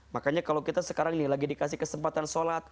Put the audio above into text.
makanya kalau kita sekarang nih lagi dikasih kesempatan sholat